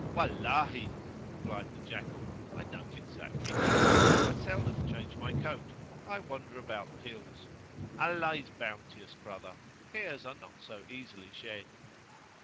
"Wa'llahi!" replied the jackal, "I don't exactly know I seldom change my coat I wander about the hills. Allah is bounteous,[FN#15] brother! hairs are not so easily shed."